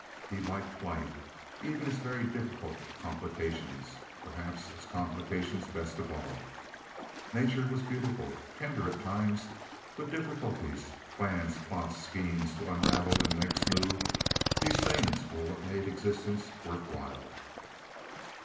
He liked life—even its very difficult complications—perhaps its complications best of all. Nature was beautiful, tender at times, but difficulties, plans, plots, schemes to unravel and make smooth—these things were what made existence worth while.